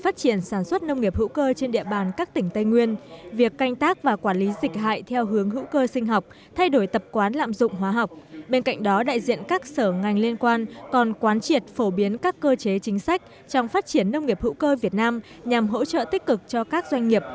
trong phát triển nông nghiệp hữu cơ việt nam nhằm hỗ trợ tích cực cho các doanh nghiệp